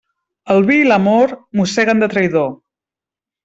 El vi i l'amor mosseguen de traïdor.